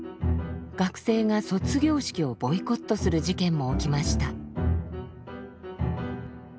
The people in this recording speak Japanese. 学生が卒業式をボイコットする事件も起きました。